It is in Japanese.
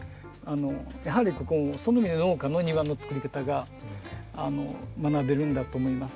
やはりここもそういう意味で農家の庭のつくり方が学べるんだと思います。